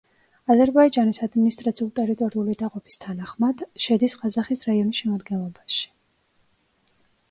აზერბაიჯანის ადმინისტრაციულ-ტერიტორიული დაყოფის თანახმად შედის ყაზახის რაიონის შემადგენლობაში.